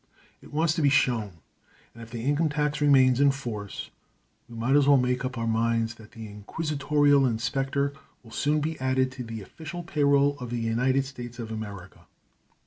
It wants to be shown, and if the income tax remains in force, we might as well make up our minds that the inquisitorial inspector will soon be added to the official pay roll of the United States of America."